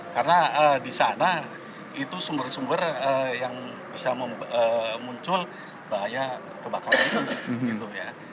karena di sana itu sumber sumber yang bisa muncul bahaya kebakaran itu